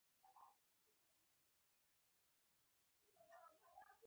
خو د ښې حکومتولې لپاره یې